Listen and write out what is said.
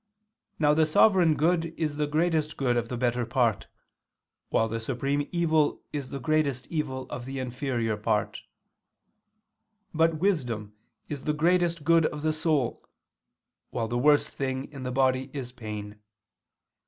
Now the sovereign good is the greatest good of the better part: while the supreme evil is the greatest evil of the inferior part. But wisdom is the greatest good of the soul; while the worst thing in the body is pain.